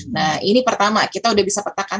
nah ini pertama kita udah bisa petakan